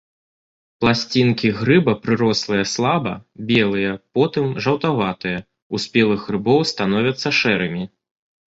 Пласцінкі грыба прырослыя слаба, белыя, потым жаўтаватыя, у спелых грыбоў становяцца шэрымі.